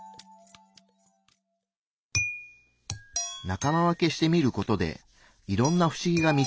仲間分けしてみることでいろんな不思議が見つかった。